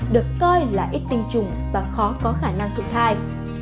được coi là ít tinh trùng và khó có khả năng tự thai